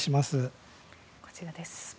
こちらです。